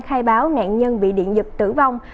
khai báo nạn nhân bị điện dụp tử vong